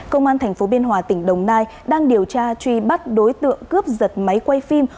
công an tp biên hòa tỉnh đồng nai đang điều tra truy bắt đối tượng cướp giật máy quay phim